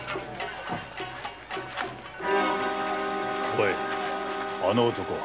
おいあの男は？